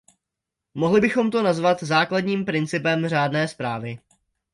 Mohli bychom to nazvat základním principem řádné správy.